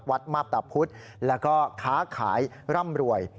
มาพตะพุธแล้วก็ค้าขายร่ำรวย